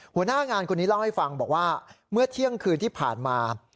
หัวหน้างานคนนี้เล่าให้ฟังบอกว่าเมื่อเที่ยงคืนที่ผ่านมา